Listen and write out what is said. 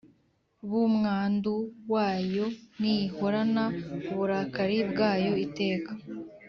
B umwandu wayo ntihorana uburakari bwayo iteka